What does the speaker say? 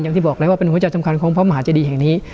อย่างที่บอกไรเป็นหัวใจสำคัญของพระมอาจาริย์แห่งนี้